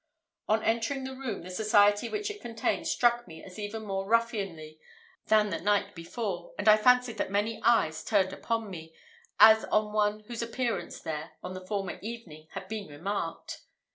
On entering the room, the society which it contained struck me as even more ruffianly than the night before, and I fancied that many eyes turned upon me, as on one whose appearance there on the former evening had been remarked.